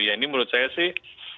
ya ini menurut saya sih